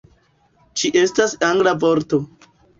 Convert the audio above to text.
Ĝi estas angla vorto